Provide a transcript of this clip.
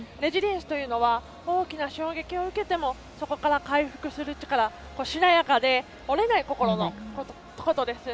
レジリエンスというのは大きな衝撃を受けてもそこから回復する力しなやかで折れない心のことです。